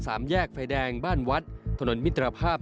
แยกไฟแดงบ้านวัดถนนมิตรภาพ